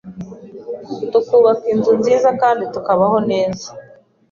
tukubaka inzu nziza kandi tukabaho neza